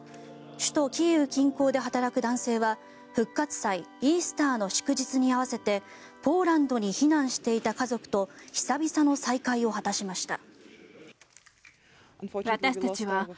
首都キーウ近郊で働く男性は復活祭、イースターの祝日に合わせてポーランドに避難していた家族と久々の再会を果たしました。